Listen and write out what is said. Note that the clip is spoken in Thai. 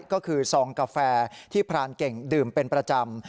ก็คือซองกาแฟที่พรานเก่งดื่มเป็นประจำ